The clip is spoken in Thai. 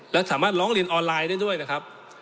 แล้วสามารถร้องเรียนออนไลน์ได้ด้วยนะครับ